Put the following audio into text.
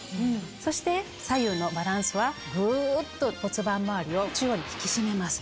そして左右のバランスはグっと骨盤周りを中央に引き締めます。